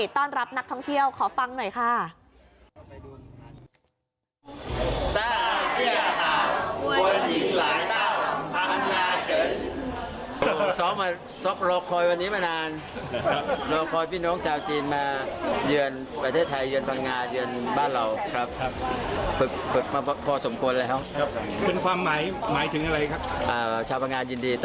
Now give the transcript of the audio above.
ต้อนรับนักท่องเที่ยวขอฟังหน่อยค่ะ